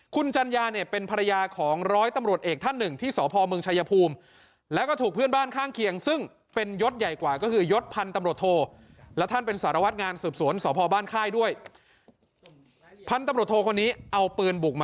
คุณจัญญาเป็นภรรยาของร้อยตำรวจเอกท่านหนึ่งที่สพเมืองชายภูมิ